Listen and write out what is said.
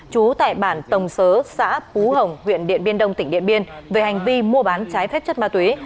trú tại bản tổng sớ xã phú hồng huyện điện biên đông tỉnh điện biên về hành vi mua bán trái phép chất ma túy